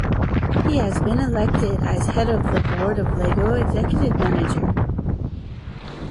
He has been elected as head of the board of Lego Executive Manager.